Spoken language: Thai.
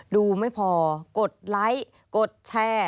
ดูไม่พอกดไลค์กดแชร์